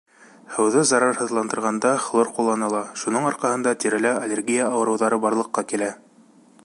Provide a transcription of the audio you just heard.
Һыуҙы зарарһыҙландырғанда хлор ҡулланыла, шуның арҡаһында тирелә аллергия ауырыуҙары барлыҡҡа килә.